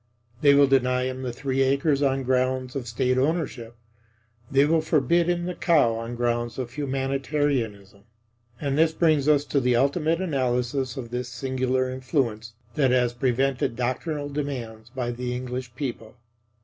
They will deny him the three acres on grounds of State Ownership. They will forbid him the cow on grounds of humanitarianism. And this brings us to the ultimate analysis of this singular influence that has prevented doctrinal demands by the English people.